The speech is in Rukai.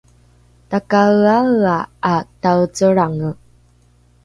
takaeaea ’a taecelrange